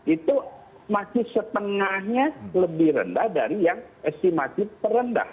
itu masih setengahnya lebih rendah dari yang estimasi terendah